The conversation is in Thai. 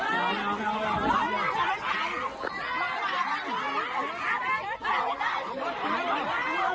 โอ้โหมันควรเข้าสม